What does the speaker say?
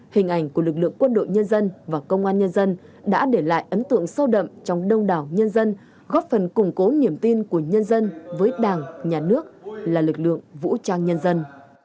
hình ảnh của lực lượng quân đội nhân dân và công an nhân dân đã để lại ấn tượng sâu đậm trong đông đảo nhân dân góp phần củng cố niềm tin của nhân dân với đảng nhà nước là lực lượng vũ trang nhân dân